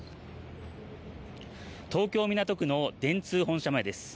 東京港区の電通本社前です。